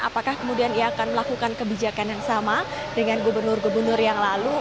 apakah kemudian ia akan melakukan kebijakan yang sama dengan gubernur gubernur yang lalu